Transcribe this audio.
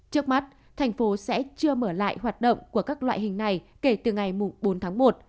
trước mắt thành phố sẽ chưa mở lại hoạt động của các loại hình này kể từ ngày bốn tháng một